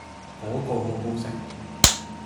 嗰個好好食